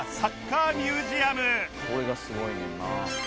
「これがすごいねんな」